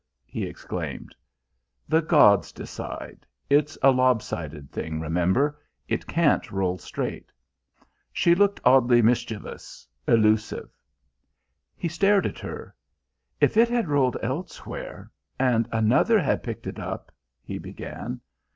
he exclaimed. "The gods decide. It's a lob sided thing, remember. It can't roll straight." She looked oddly mischievous, elusive. He stared at her. "If it had rolled elsewhere and another had picked it up ?" he began.